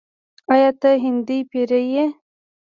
“آیا ته هندی پیر یې؟”